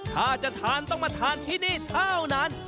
ถ้าจะทานต้องมาทานที่นี่เท่านั้น